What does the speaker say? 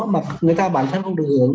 mà người ta bản thân không được hưởng